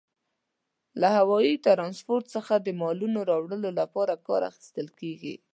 له هوايي ترانسپورت څخه د مالونو وړلو لپاره کار اخیستل کیږي.